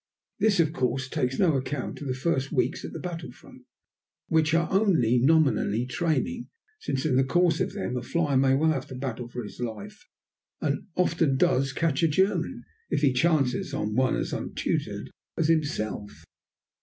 This, of course, takes no account of the first weeks at the battle front, which are only nominally training, since in the course of them a flier may well have to battle for his life, and often does catch a German, if he chances on one as untutored as himself.